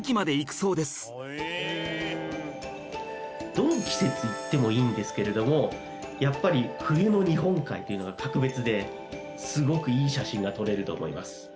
どの季節行ってもいいんですけれどもやっぱり冬の日本海というのが格別ですごくいい写真が撮れると思います。